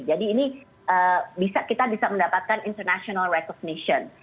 jadi ini kita bisa mendapatkan international recognition